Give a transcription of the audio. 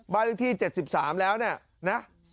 บ้านที่๗๓แล้วนะ